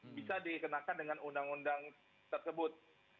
bisa dikenakan dengan undang undang tersebut